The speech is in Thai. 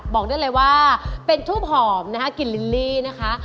บอกได้เลยว่าเป็นทูบหอมนะคะกินลิลลี่นะคะ